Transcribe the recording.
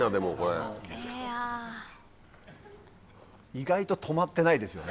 意外と止まってないですよね。